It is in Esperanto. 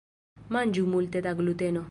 Manĝu multe da gluteno.